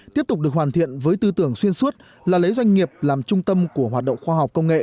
tiếp tục được hoàn thiện với tư tưởng xuyên suốt là lấy doanh nghiệp làm trung tâm của hoạt động khoa học công nghệ